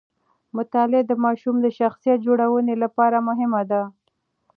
مطالعه د ماشوم د شخصیت جوړونې لپاره مهمه ده.